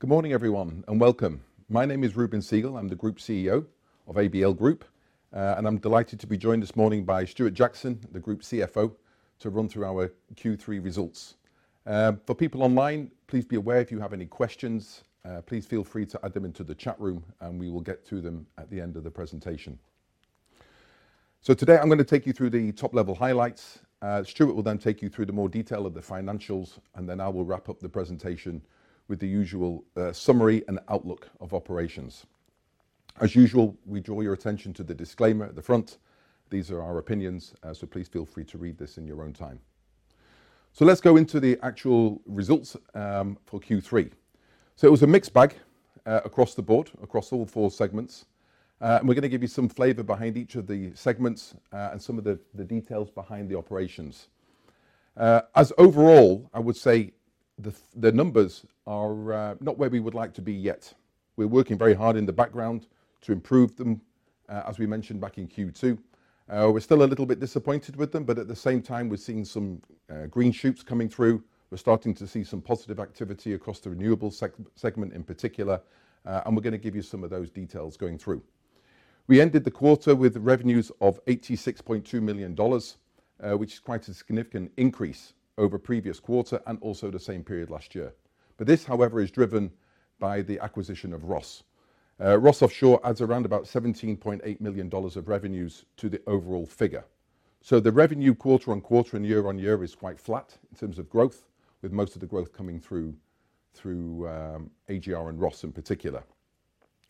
Good morning, everyone, and welcome. My name is Reuben Segal. I'm the Group CEO of ABL Group, and I'm delighted to be joined this morning by Stuart Jackson, the Group CFO, to run through our Q3 results. For people online, please be aware if you have any questions. Please feel free to add them into the chat room, and we will get through them at the end of the presentation. So today, I'm going to take you through the top-level highlights. Stuart will then take you through the more detail of the financials, and then I will wrap up the presentation with the usual summary and outlook of operations. As usual, we draw your attention to the disclaimer at the front. These are our opinions, so please feel free to read this in your own time. So let's go into the actual results for Q3. It was a mixed bag across the board, across all four segments. We're going to give you some flavor behind each of the segments and some of the details behind the operations. As overall, I would say the numbers are not where we would like to be yet. We're working very hard in the background to improve them, as we mentioned back in Q2. We're still a little bit disappointed with them, but at the same time, we're seeing some green shoots coming through. We're starting to see some positive activity across the renewables segment in particular, and we're going to give you some of those details going through. We ended the quarter with revenues of $86.2 million, which is quite a significant increase over previous quarter and also the same period last year. This, however, is driven by the acquisition of Ross. Ross Offshore adds around about $17.8 million of revenues to the overall figure, so the revenue quarter on quarter and year-on-year is quite flat in terms of growth, with most of the growth coming through AGR and Ross in particular.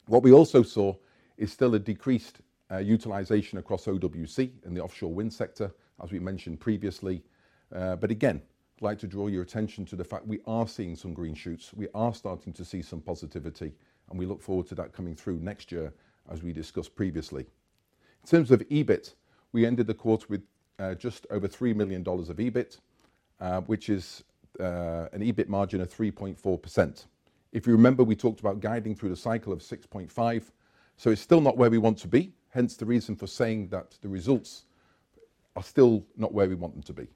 What we also saw is still a decreased utilization across OWC in the offshore wind sector, as we mentioned previously, but again, I'd like to draw your attention to the fact we are seeing some green shoots. We are starting to see some positivity, and we look forward to that coming through next year, as we discussed previously. In terms of EBIT, we ended the quarter with just over $3 million of EBIT, which is an EBIT margin of 3.4%. If you remember, we talked about guiding through the cycle of 6.5%, so it's still not where we want to be. Hence the reason for saying that the results are still not where we want them to be.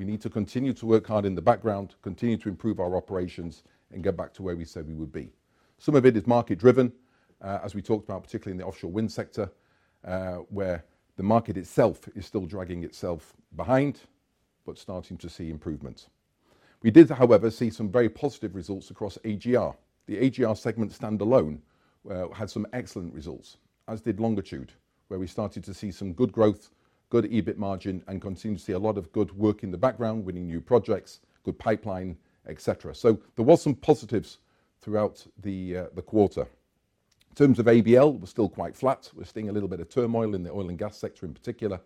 We need to continue to work hard in the background, continue to improve our operations, and get back to where we said we would be. Some of it is market-driven, as we talked about, particularly in the offshore wind sector, where the market itself is still dragging itself behind but starting to see improvements. We did, however, see some very positive results across AGR. The AGR segment standalone had some excellent results, as did Longitude, where we started to see some good growth, good EBIT margin, and continue to see a lot of good work in the background, winning new projects, good pipeline, etc. So there were some positives throughout the quarter. In terms of ABL, it was still quite flat. We're seeing a little bit of turmoil in the oil and gas sector in particular,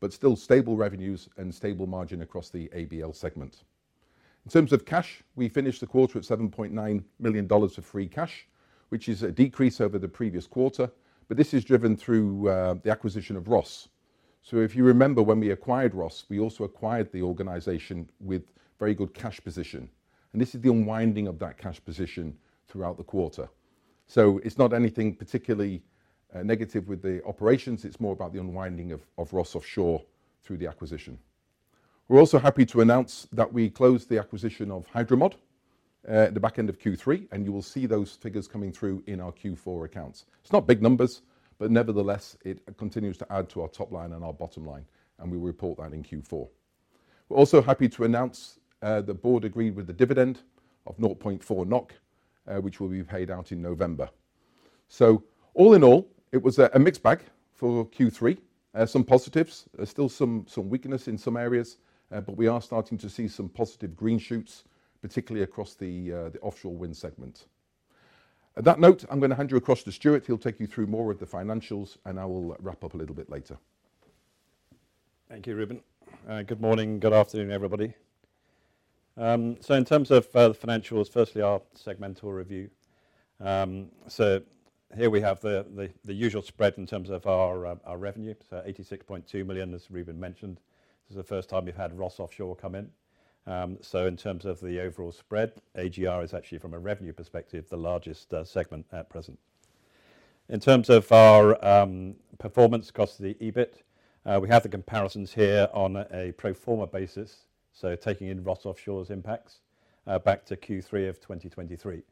but still stable revenues and stable margin across the ABL segment. In terms of cash, we finished the quarter at $7.9 million of free cash, which is a decrease over the previous quarter, but this is driven through the acquisition of Ross Offshore. So if you remember, when we acquired Ross Offshore, we also acquired the organization with very good cash position. And this is the unwinding of that cash position throughout the quarter. So it's not anything particularly negative with the operations. It's more about the unwinding of Ross Offshore through the acquisition. We're also happy to announce that we closed the acquisition of Hidromod at the back end of Q3, and you will see those figures coming through in our Q4 accounts. It's not big numbers, but nevertheless, it continues to add to our top line and our bottom line, and we will report that in Q4. We're also happy to announce the board agreed with the dividend of 0.40 NOK, which will be paid out in November. So all in all, it was a mixed bag for Q3. Some positives. There's still some weakness in some areas, but we are starting to see some positive green shoots, particularly across the offshore wind segment. On that note, I'm going to hand you across to Stuart. He'll take you through more of the financials, and I will wrap up a little bit later. Thank you, Reuben. Good morning. Good afternoon, everybody, so in terms of the financials, firstly, our segmental review. So here we have the usual spread in terms of our revenue, so 86.2 million, as Reuben mentioned. This is the first time we've had Ross Offshore come in, so in terms of the overall spread, AGR is actually, from a revenue perspective, the largest segment at present. In terms of our performance across the EBIT, we have the comparisons here on a pro forma basis, so taking in Ross Offshore's impacts back to Q3 of 2023,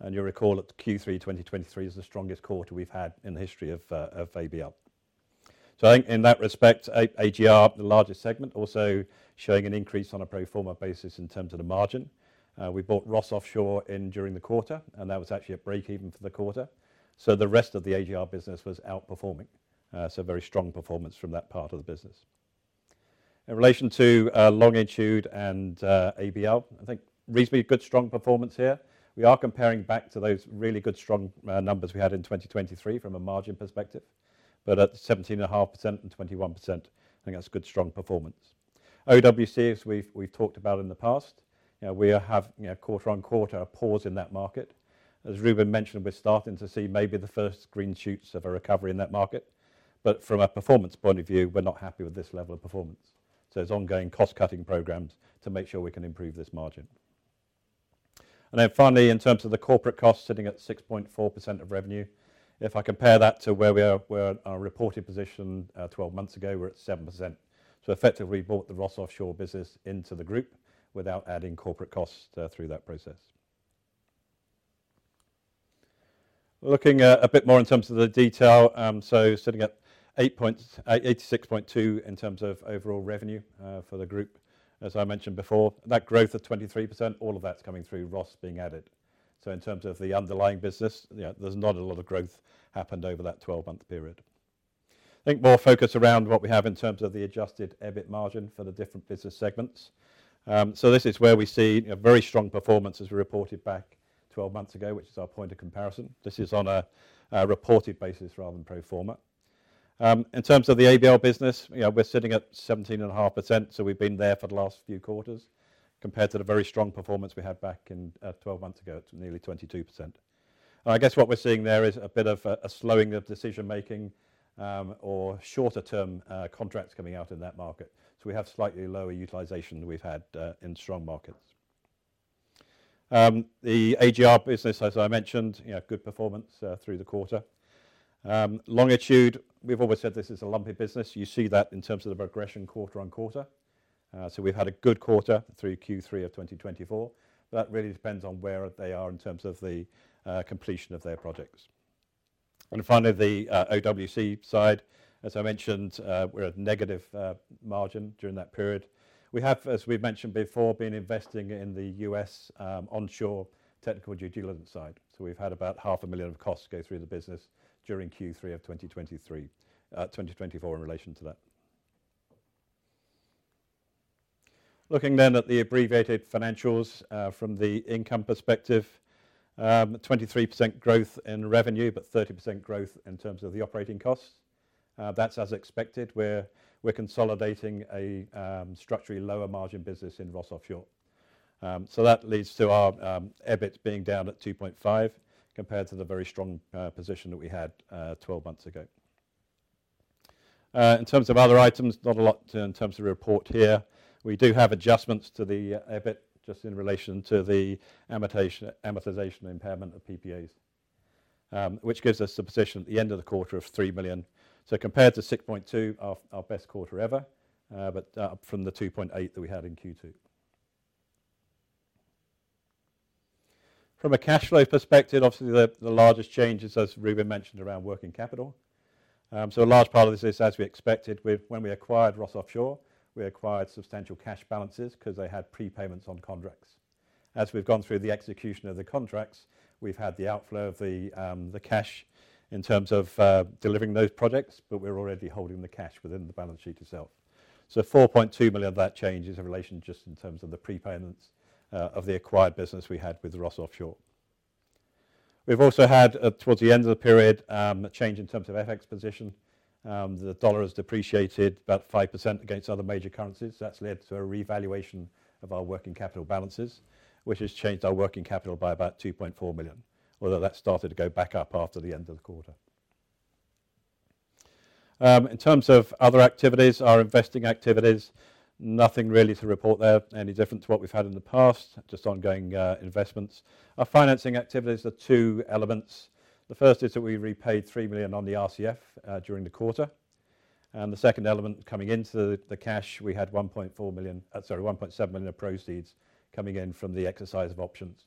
and you'll recall that Q3 2023 is the strongest quarter we've had in the history of ABL, so I think in that respect, AGR, the largest segment, also showing an increase on a pro forma basis in terms of the margin. We bought Ross Offshore during the quarter, and that was actually a break-even for the quarter. So the rest of the AGR business was outperforming. So very strong performance from that part of the business. In relation to Longitude and ABL, I think reasonably good, strong performance here. We are comparing back to those really good, strong numbers we had in 2023 from a margin perspective, but at 17.5% and 21%, I think that's good, strong performance. OWC, as we've talked about in the past, we have quarter on quarter a pause in that market. As Reuben mentioned, we're starting to see maybe the first green shoots of a recovery in that market. But from a performance point of view, we're not happy with this level of performance. So there's ongoing cost-cutting programs to make sure we can improve this margin. And then finally, in terms of the corporate costs sitting at 6.4% of revenue, if I compare that to where we were in our reported position 12 months ago, we're at 7%. So effectively, we bought the Ross Offshore business into the group without adding corporate costs through that process. Looking a bit more in terms of the detail, so sitting at 86.2 in terms of overall revenue for the group, as I mentioned before, that growth of 23%, all of that's coming through Ross Offshore being added. So in terms of the underlying business, there's not a lot of growth happened over that 12-month period. I think more focus around what we have in terms of the adjusted EBIT margin for the different business segments. So this is where we see a very strong performance as we reported back 12 months ago, which is our point of comparison. This is on a reported basis rather than pro forma. In terms of the ABL business, we're sitting at 17.5%. So we've been there for the last few quarters compared to the very strong performance we had back 12 months ago. It's nearly 22%. I guess what we're seeing there is a bit of a slowing of decision-making or shorter-term contracts coming out in that market. So we have slightly lower utilization than we've had in strong markets. The AGR business, as I mentioned, good performance through the quarter. Longitude, we've always said this is a lumpy business. You see that in terms of the progression quarter on quarter. So we've had a good quarter through Q3 of 2024. That really depends on where they are in terms of the completion of their projects. And finally, the OWC side, as I mentioned, we're at negative margin during that period. We have, as we've mentioned before, been investing in the U.S. onshore technical due diligence side. So we've had about 500,000 of costs go through the business during Q3 of 2024 in relation to that. Looking then at the abbreviated financials from the income perspective, 23% growth in revenue, but 30% growth in terms of the operating costs. That's as expected. We're consolidating a structurally lower margin business in Ross Offshore. So that leads to our EBIT being down at 2.5 million compared to the very strong position that we had 12 months ago. In terms of other items, not a lot in terms of report here. We do have adjustments to the EBIT just in relation to the amortization impairment of PPAs, which gives us a position at the end of the quarter of 3 million. Compared to 6.2, our best quarter ever, but up from the 2.8 that we had in Q2. From a cash flow perspective, obviously, the largest change is, as Reuben mentioned, around working capital. A large part of this is, as we expected, when we acquired Ross Offshore, we acquired substantial cash balances because they had prepayments on contracts. As we've gone through the execution of the contracts, we've had the outflow of the cash in terms of delivering those projects, but we're already holding the cash within the balance sheet itself. 4.2 million of that change is in relation just in terms of the prepayments of the acquired business we had with Ross Offshore. We've also had, towards the end of the period, a change in terms of FX position. The dollar has depreciated about 5% against other major currencies. That's led to a revaluation of our working capital balances, which has changed our working capital by about 2.4 million, although that started to go back up after the end of the quarter. In terms of other activities, our investing activities, nothing really to report there, any different to what we've had in the past, just ongoing investments. Our financing activities are two elements. The first is that we repaid 3 million on the RCF during the quarter. And the second element coming into the cash, we had 1.4 million, sorry, 1.7 million of proceeds coming in from the exercise of options,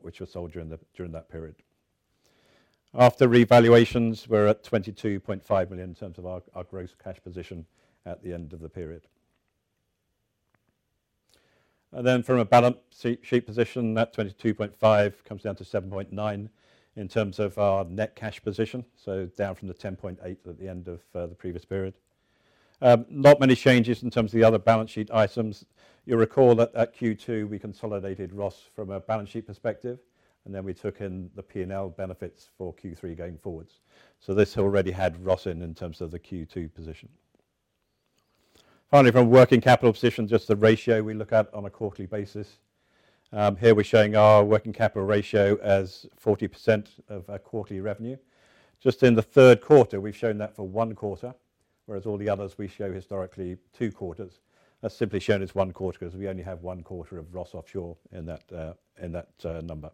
which were sold during that period. After revaluations, we're at 22.5 million in terms of our gross cash position at the end of the period. Then from a balance sheet position, that 22.5 comes down to 7.9 in terms of our net cash position, so down from the 10.8 at the end of the previous period. Not many changes in terms of the other balance sheet items. You'll recall that at Q2, we consolidated Ross Offshore from a balance sheet perspective, and then we took in the P&L benefits for Q3 going forwards. So this already had Ross Offshore in terms of the Q2 position. Finally, from working capital position, just the ratio we look at on a quarterly basis. Here we're showing our working capital ratio as 40% of our quarterly revenue. Just in the third quarter, we've shown that for one quarter, whereas all the others we show historically two quarters. That's simply shown as one quarter because we only have one quarter of Ross Offshore in that number.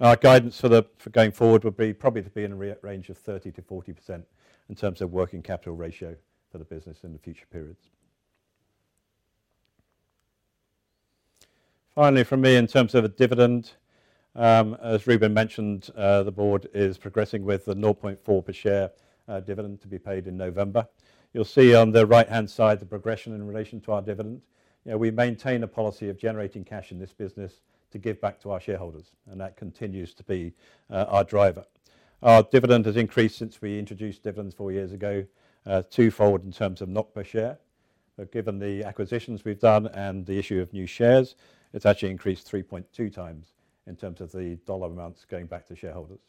Our guidance for going forward would be probably to be in a range of 30%-40% in terms of working capital ratio for the business in the future periods. Finally, from me, in terms of a dividend, as Reuben mentioned, the board is progressing with the 0.4 per share dividend to be paid in November. You'll see on the right-hand side the progression in relation to our dividend. We maintain a policy of generating cash in this business to give back to our shareholders, and that continues to be our driver. Our dividend has increased since we introduced dividends four years ago, twofold in terms of NOK per share. But given the acquisitions we've done and the issue of new shares, it's actually increased 3.2 times in terms of the dollar amounts going back to shareholders.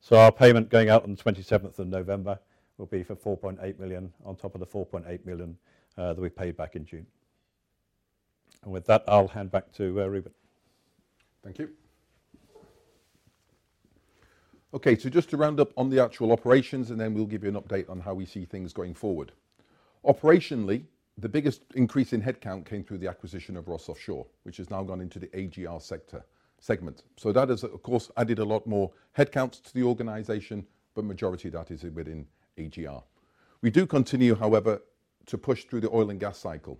So our payment going out on the 27th of November will be for 4.8 million on top of the 4.8 million that we paid back in June. And with that, I'll hand back to Reuben. Thank you. Okay, so just to round up on the actual operations, and then we'll give you an update on how we see things going forward. Operationally, the biggest increase in headcount came through the acquisition of Ross Offshore, which has now gone into the AGR segment. So that has, of course, added a lot more headcounts to the organization, but majority of that is within AGR. We do continue, however, to push through the oil and gas cycle.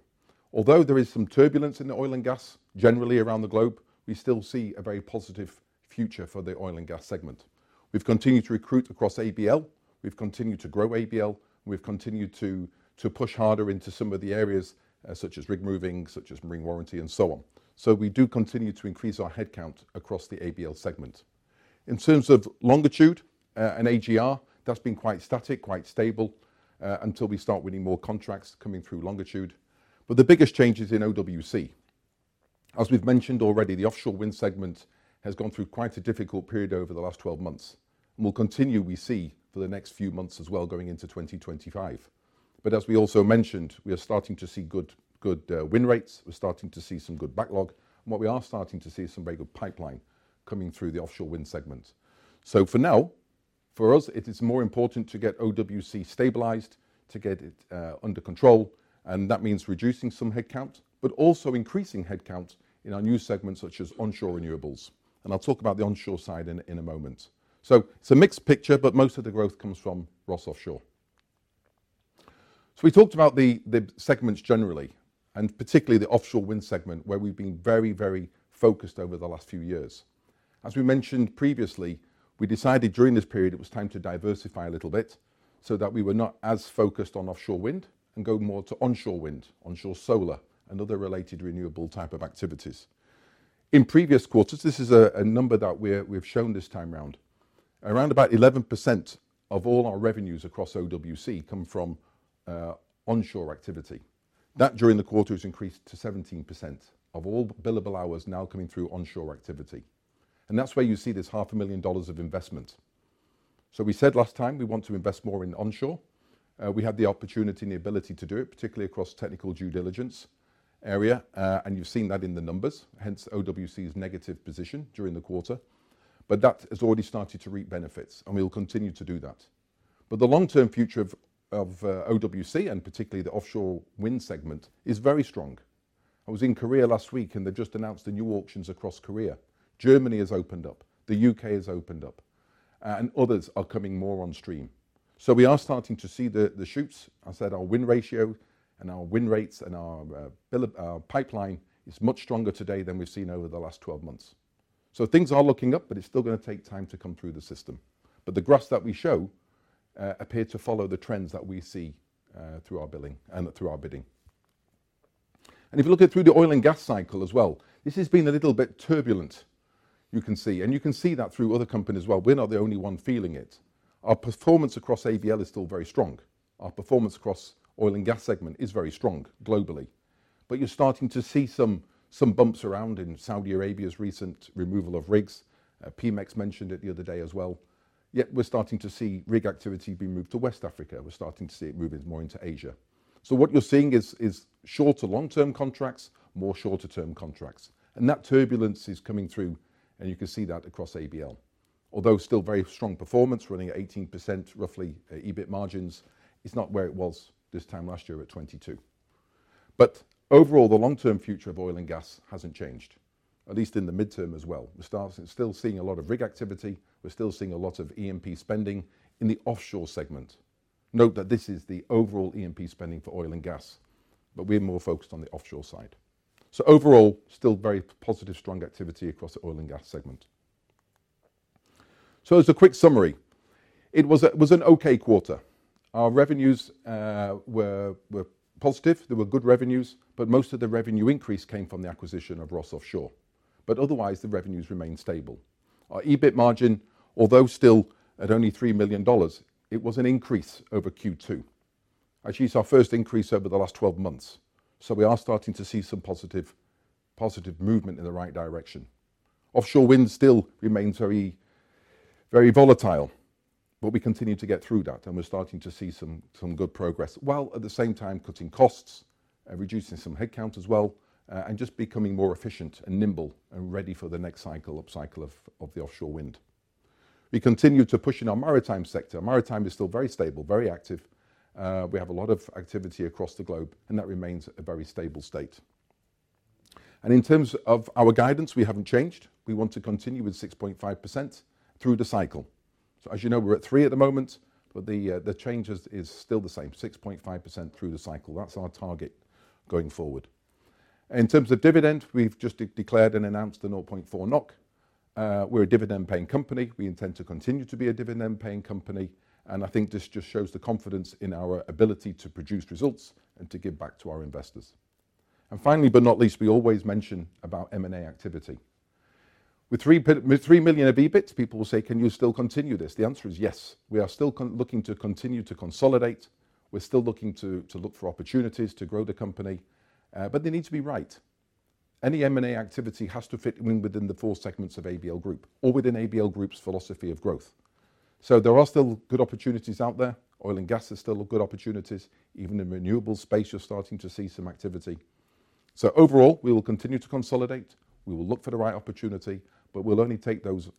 Although there is some turbulence in the oil and gas generally around the globe, we still see a very positive future for the oil and gas segment. We've continued to recruit across ABL. We've continued to grow ABL, and we've continued to push harder into some of the areas such as rig moving, such as marine warranty, and so on. So we do continue to increase our headcount across the ABL segment. In terms of Longitude and AGR, that's been quite static, quite stable until we start winning more contracts coming through Longitude. But the biggest change is in OWC. As we've mentioned already, the offshore wind segment has gone through quite a difficult period over the last 12 months, and will continue, we see, for the next few months as well going into 2025. But as we also mentioned, we are starting to see good win rates. We're starting to see some good backlog. And what we are starting to see is some very good pipeline coming through the offshore wind segment. So for now, for us, it is more important to get OWC stabilized, to get it under control, and that means reducing some headcount, but also increasing headcount in our new segments such as onshore renewables. I'll talk about the onshore side in a moment. It's a mixed picture, but most of the growth comes from Ross Offshore. We talked about the segments generally, and particularly the offshore wind segment, where we've been very, very focused over the last few years. As we mentioned previously, we decided during this period it was time to diversify a little bit so that we were not as focused on offshore wind and go more to onshore wind, onshore solar, and other related renewable type of activities. In previous quarters, this is a number that we've shown this time around. Around about 11% of all our revenues across OWC come from onshore activity. That during the quarter has increased to 17% of all billable hours now coming through onshore activity. That's where you see this $500,000 of investment. So we said last time we want to invest more in onshore. We had the opportunity and the ability to do it, particularly across technical due diligence area, and you've seen that in the numbers. Hence, OWC's negative position during the quarter. But that has already started to reap benefits, and we'll continue to do that. But the long-term future of OWC, and particularly the offshore wind segment, is very strong. I was in Korea last week, and they just announced the new auctions across Korea. Germany has opened up. The U.K. has opened up. And others are coming more on stream. So we are starting to see the shoots. I said our win ratio and our win rates and our pipeline is much stronger today than we've seen over the last 12 months. So things are looking up, but it's still going to take time to come through the system. But the graphs that we show appear to follow the trends that we see through our billing and through our bidding. And if you look at through the oil and gas cycle as well, this has been a little bit turbulent, you can see. And you can see that through other companies as well. We're not the only one feeling it. Our performance across ABL is still very strong. Our performance across oil and gas segment is very strong globally. But you're starting to see some bumps around in Saudi Arabia's recent removal of rigs. Pemex mentioned it the other day as well. Yet we're starting to see rig activity be moved to West Africa. We're starting to see it moving more into Asia. So what you're seeing is shorter long-term contracts, more shorter-term contracts, and that turbulence is coming through, and you can see that across ABL. Although still very strong performance running at roughly 18% EBIT margins, it's not where it was this time last year at 22%. Overall, the long-term future of oil and gas hasn't changed, at least in the midterm as well. We're still seeing a lot of rig activity. We're still seeing a lot of E&P spending in the offshore segment. Note that this is the overall E&P spending for oil and gas, but we're more focused on the offshore side, so overall, still very positive, strong activity across the oil and gas segment. As a quick summary, it was an okay quarter. Our revenues were positive. There were good revenues, but most of the revenue increase came from the acquisition of Ross Offshore. But otherwise, the revenues remained stable. Our EBIT margin, although still at only $3 million, it was an increase over Q2. Actually, it's our first increase over the last 12 months. So we are starting to see some positive movement in the right direction. Offshore wind still remains very volatile, but we continue to get through that, and we're starting to see some good progress. While at the same time, cutting costs and reducing some headcount as well, and just becoming more efficient and nimble and ready for the next cycle, upcycle of the offshore wind. We continue to push in our maritime sector. Maritime is still very stable, very active. We have a lot of activity across the globe, and that remains a very stable state. And in terms of our guidance, we haven't changed. We want to continue with 6.5% through the cycle. As you know, we're at three at the moment, but the change is still the same, 6.5% through the cycle. That's our target going forward. In terms of dividend, we've just declared and announced a 0.4 NOK. We're a dividend-paying company. We intend to continue to be a dividend-paying company. I think this just shows the confidence in our ability to produce results and to give back to our investors. Finally, but not least, we always mention about M&A activity. With three million of EBIT, people will say, "Can you still continue this?" The answer is yes. We are still looking to continue to consolidate. We're still looking to look for opportunities to grow the company. But they need to be right. Any M&A activity has to fit within the four segments of ABL Group or within ABL Group's philosophy of growth. So there are still good opportunities out there. Oil and gas are still good opportunities. Even in renewables space, you're starting to see some activity. So overall, we will continue to consolidate. We will look for the right opportunity, but we'll only take those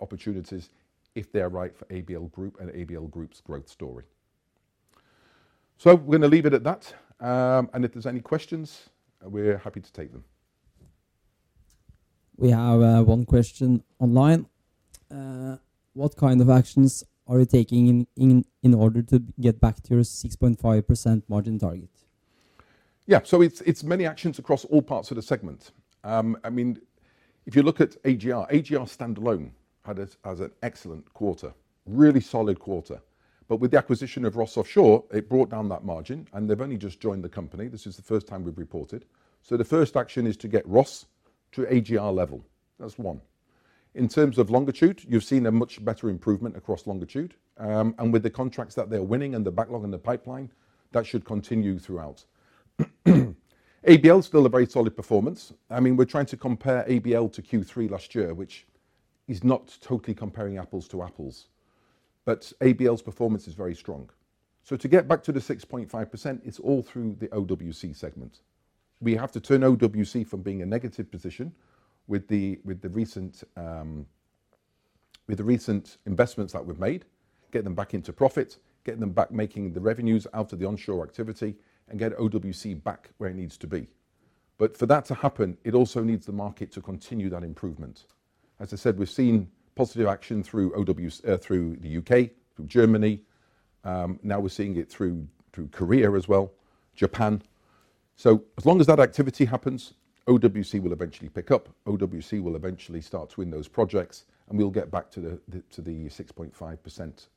opportunities if they're right for ABL Group and ABL Group's growth story. So we're going to leave it at that, and if there's any questions, we're happy to take them. We have one question online. What kind of actions are you taking in order to get back to your 6.5% margin target? Yeah, so it's many actions across all parts of the segment. I mean, if you look at AGR, AGR standalone has an excellent quarter, really solid quarter. But with the acquisition of Ross Offshore, it brought down that margin, and they've only just joined the company. This is the first time we've reported. So the first action is to get Ross to AGR level. That's one. In terms of Longitude, you've seen a much better improvement across Longitude. And with the contracts that they're winning and the backlog and the pipeline, that should continue throughout. ABL is still a very solid performance. I mean, we're trying to compare ABL to Q3 last year, which is not totally comparing apples to apples. But ABL's performance is very strong. So to get back to the 6.5%, it's all through the OWC segment. We have to turn OWC from being a negative position with the recent investments that we've made, get them back into profit, get them back making the revenues out of the onshore activity, and get OWC back where it needs to be. But for that to happen, it also needs the market to continue that improvement. As I said, we've seen positive action through the UK, through Germany. Now we're seeing it through Korea as well, Japan. So as long as that activity happens, OWC will eventually pick up. OWC will eventually start to win those projects, and we'll get back to the 6.5%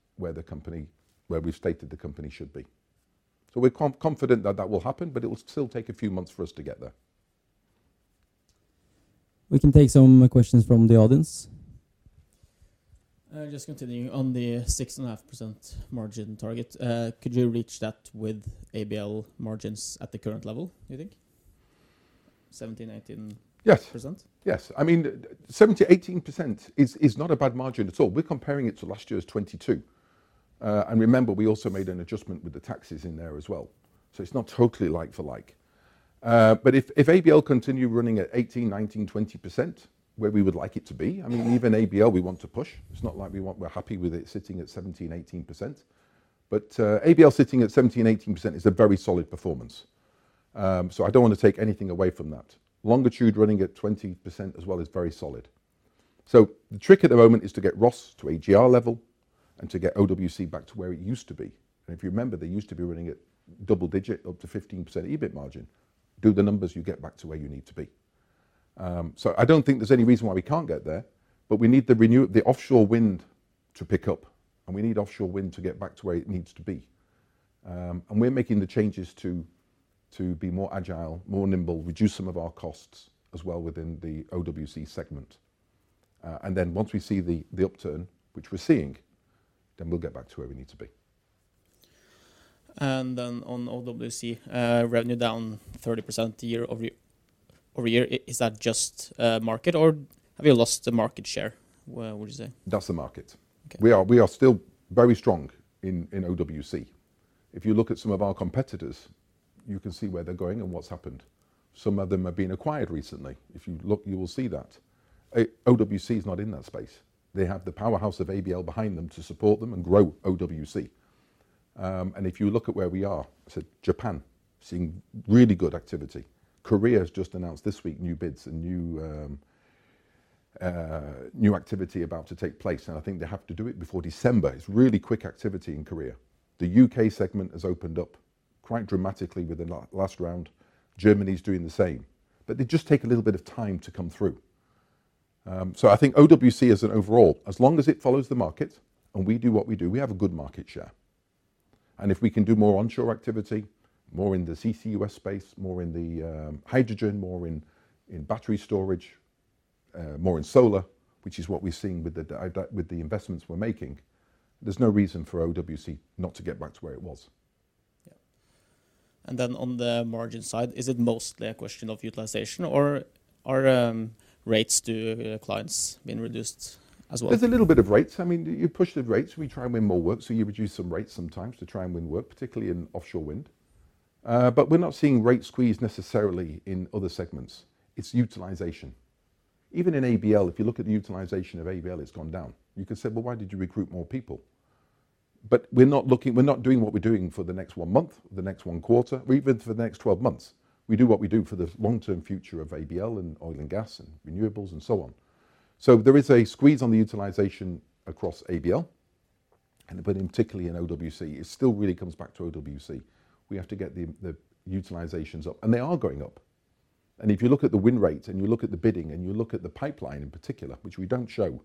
where we've stated the company should be. So we're confident that that will happen, but it will still take a few months for us to get there. We can take some questions from the audience. Just continuing on the 6.5% margin target, could you reach that with ABL margins at the current level, do you think? 17%-18%? Yes. Yes. I mean, 17-18% is not a bad margin at all. We're comparing it to last year's 22%. And remember, we also made an adjustment with the taxes in there as well. So it's not totally like for like. But if ABL continues running at 18-20%, where we would like it to be, I mean, even ABL, we want to push. It's not like we're happy with it sitting at 17-18%. But ABL sitting at 17-18% is a very solid performance. So I don't want to take anything away from that. Longitude running at 20% as well is very solid. So the trick at the moment is to get Ross to AGR level and to get OWC back to where it used to be. And if you remember, they used to be running at double-digit up to 15% EBIT margin. Do the numbers, you get back to where you need to be. So I don't think there's any reason why we can't get there, but we need the offshore wind to pick up, and we need offshore wind to get back to where it needs to be. And we're making the changes to be more agile, more nimble, reduce some of our costs as well within the OWC segment. And then once we see the upturn, which we're seeing, then we'll get back to where we need to be. And then on OWC, revenue down 30% year-over year. Is that just market, or have you lost the market share? What do you say? That's the market. We are still very strong in OWC. If you look at some of our competitors, you can see where they're going and what's happened. Some of them have been acquired recently. If you look, you will see that. OWC is not in that space. They have the powerhouse of ABL behind them to support them and grow OWC. And if you look at where we are, I said Japan, seeing really good activity. Korea has just announced this week new bids and new activity about to take place. And I think they have to do it before December. It's really quick activity in Korea. The UK segment has opened up quite dramatically with the last round. Germany is doing the same. But they just take a little bit of time to come through. So I think OWC as an overall, as long as it follows the market and we do what we do, we have a good market share. And if we can do more onshore activity, more in the CCUS space, more in the hydrogen, more in battery storage, more in solar, which is what we're seeing with the investments we're making, there's no reason for OWC not to get back to where it was. Yeah, and then on the margin side, is it mostly a question of utilization, or are rates to clients being reduced as well? There's a little bit of rates. I mean, you push the rates. We try and win more work, so you reduce some rates sometimes to try and win work, particularly in offshore wind. But we're not seeing rate squeeze necessarily in other segments. It's utilization. Even in ABL, if you look at the utilization of ABL, it's gone down. You can say, "Well, why did you recruit more people?" But we're not doing what we're doing for the next one month, the next one quarter, or even for the next 12 months. We do what we do for the long-term future of ABL and oil and gas and renewables and so on. So there is a squeeze on the utilization across ABL, but particularly in OWC. It still really comes back to OWC. We have to get the utilizations up, and they are going up. And if you look at the win rate and you look at the bidding and you look at the pipeline in particular, which we don't show,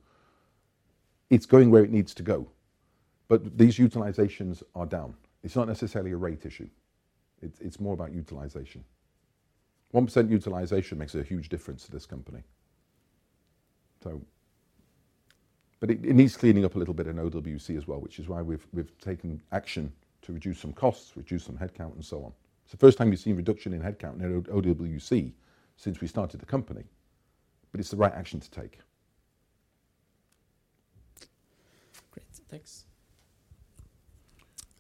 it's going where it needs to go. But these utilizations are down. It's not necessarily a rate issue. It's more about utilization. 1% utilization makes a huge difference to this company. But it needs cleaning up a little bit in OWC as well, which is why we've taken action to reduce some costs, reduce some headcount, and so on. It's the first time you've seen reduction in headcount in OWC since we started the company. But it's the right action to take. Great. Thanks.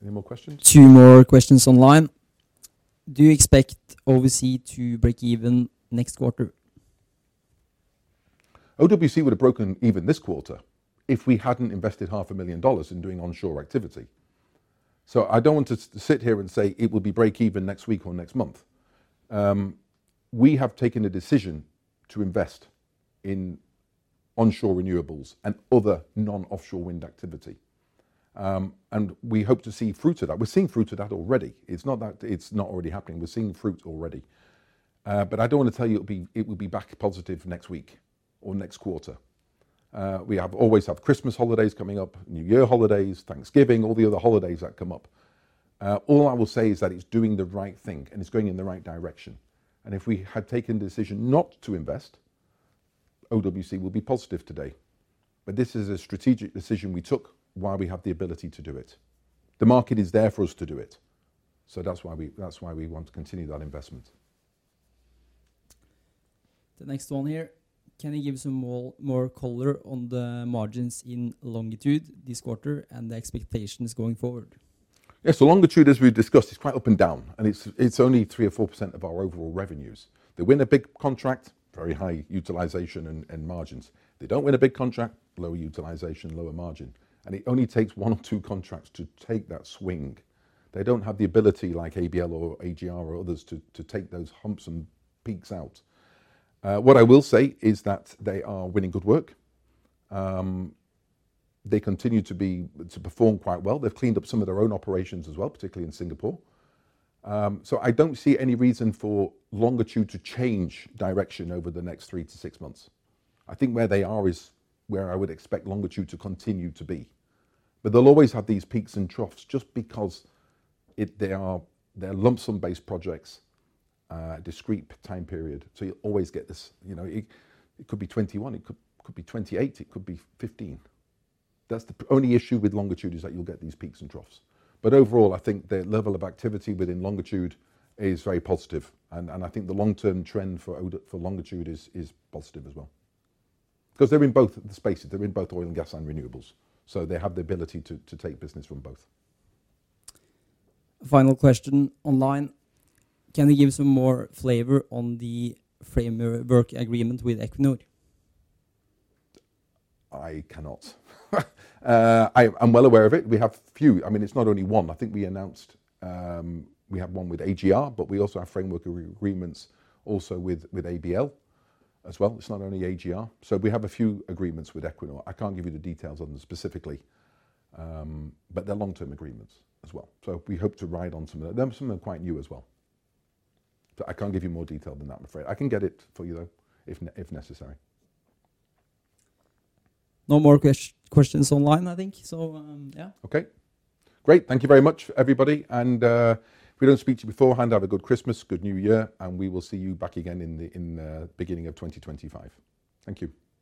Any more questions? Two more questions online. Do you expect OWC to break even next quarter? OWC would have broken even this quarter if we hadn't invested $500,000 in doing onshore activity, so I don't want to sit here and say it will be break even next week or next month. We have taken a decision to invest in onshore renewables and other non-offshore wind activity, and we hope to see fruit of that. We're seeing fruit of that already. It's not that it's not already happening. We're seeing fruit already, but I don't want to tell you it will be back positive next week or next quarter. We always have Christmas holidays coming up, New Year holidays, Thanksgiving, all the other holidays that come up. All I will say is that it's doing the right thing, and it's going in the right direction, and if we had taken the decision not to invest, OWC will be positive today. But this is a strategic decision we took while we have the ability to do it. The market is there for us to do it. So that's why we want to continue that investment. The next one here. Can you give some more color on the margins in Longitude this quarter and the expectations going forward? Yeah. So Longitude, as we've discussed, is quite up and down, and it's only 3% or 4% of our overall revenues. They win a big contract, very high utilization and margins. They don't win a big contract, lower utilization, lower margin. And it only takes one or two contracts to take that swing. They don't have the ability like ABL or AGR or others to take those humps and peaks out. What I will say is that they are winning good work. They continue to perform quite well. They've cleaned up some of their own operations as well, particularly in Singapore. So I don't see any reason for Longitude to change direction over the next three to six months. I think where they are is where I would expect Longitude to continue to be. But they'll always have these peaks and troughs just because they're lump sum based projects, discrete time period. So you always get this. It could be 21. It could be 28. It could be 15. That's the only issue with Longitude is that you'll get these peaks and troughs. But overall, I think the level of activity within Longitude is very positive. And I think the long-term trend for Longitude is positive as well. Because they're in both spaces. They're in both oil and gas and renewables. So they have the ability to take business from both. Final question online. Can you give some more flavor on the framework agreement with Equinor? I cannot. I'm well aware of it. We have a few. I mean, it's not only one. I think we announced we have one with AGR, but we also have framework agreements also with ABL as well. It's not only AGR. So we have a few agreements with Equinor. I can't give you the details on them specifically, but they're long-term agreements as well. So we hope to ride on some of them. Some of them are quite new as well. So I can't give you more detail than that, I'm afraid. I can get it for you though, if necessary. No more questions online, I think. So yeah. Okay. Great. Thank you very much, everybody. And if we don't speak to you before, have a good Christmas, good New Year, and we will see you back again in the beginning of 2025. Thank you.